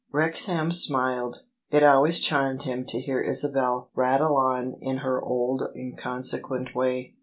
Wrexham smiled. It always charmed him to hear Isabel rattle on in her old inconsequent way.